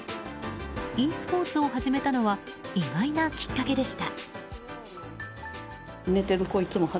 ｅスポーツを始めたのは意外なきっかけでした。